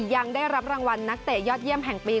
ยังได้รับรางวัลนักเตะยอดเยี่ยมแห่งปี